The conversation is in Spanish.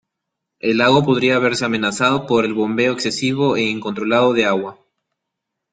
El lago podría verse amenazado por el bombeo excesivo e incontrolado de agua.